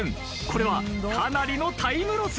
これはかなりのタイムロス。